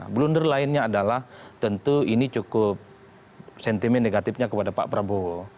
blunder lainnya adalah tentu ini cukup sentimen negatifnya kepada pak prabowo